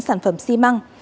sản phẩm xi măng